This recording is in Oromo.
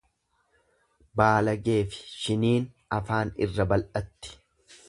Baalageefi shiniin afaan irra bal'atti.